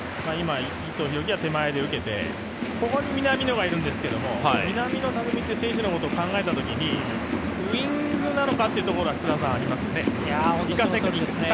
伊藤洋輝が手前で受けて、ここに南野がいるんですけど、南野拓実っていう選手のことを考えるとウィングなのかっていうところがありますよね。